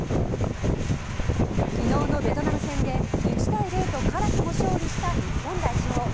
昨日のベトナム戦で１−０とからくも勝利した日本代表。